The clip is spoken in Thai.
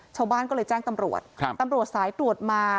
ชาวบ้านก็เลยแจ้งตำรวจครับตำรวจตำรวจสายตรวจมา